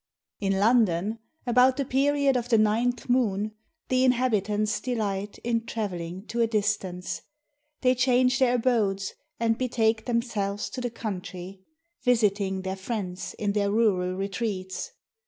In London, about the period of the ninth moon, The inhabitants delight in travelling to a distance; They change their abodes and betake themselves to the country, Visiting their friends in their rural retreats.